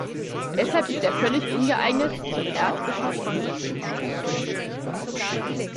Deshalb ist er völlig ungeeignet zum Erzbischof von Canterbury.